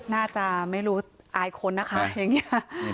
น่าจะไม่รู้อายคนนะคะอย่างนี้